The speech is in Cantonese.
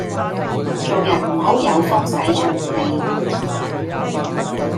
做人唔好有風使盡 𢃇